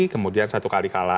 kemudian satu kali kalah